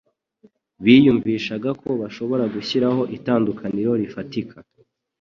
Biyumvishaga ko bashobora gushyiraho itandukaniro rifatika